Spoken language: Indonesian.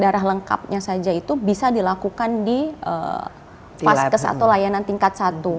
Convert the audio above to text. darah lengkapnya saja itu bisa dilakukan di paskes atau layanan tingkat satu